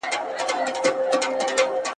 زده کوونکي ماشومان د پرمختګ هیله ګڼل کېږي.